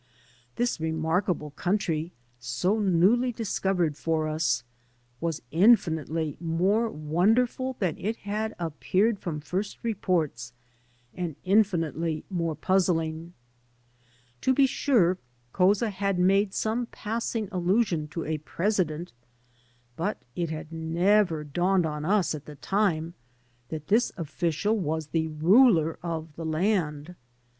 This remarkable country, so newly discovered for us, was infinitely more wonderful than it had appeared from first reports, and infinitely more puzzling. To be sure, Couza had made some passing allusion to a President, but it had never dawned on us at the time that this official was the ruler of the land.